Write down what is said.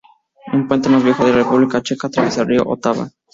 El puente más viejo de la República Checa atraviesa el río Otava.